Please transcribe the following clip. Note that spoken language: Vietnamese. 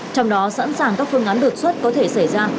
trong đó sẵn sàng các phương án đột xuất có thể xảy ra